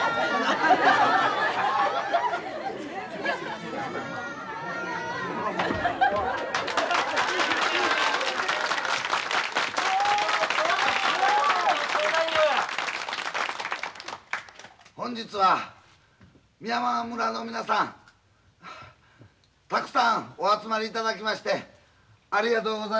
たくさんお集まりいただきましてありがとうございます。